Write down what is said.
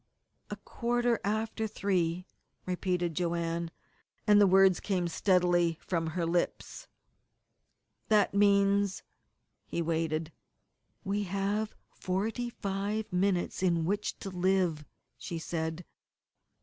"A quarter after three," repeated Joanne, and the words came steadily from her lips. "That means " He waited. "We have forty five minutes in which to live!" she said.